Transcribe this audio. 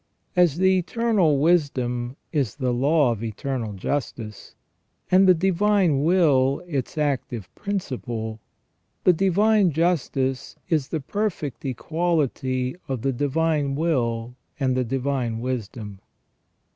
As the Eternal Wisdom is the law of Eternal Justice, and the Divine Will its active principle, the Divine Justice is the perfect equality of the Divine Will with the Divine Wisdom.